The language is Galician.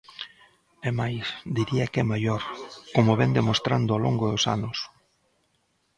É máis, diría que é maior, como vén demostrando ao longo dos anos.